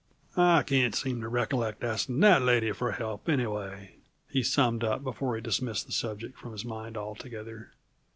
"I can't seem to recollect asking that lady for help, anyway," he summed up before he dismissed the subject from his mind altogether.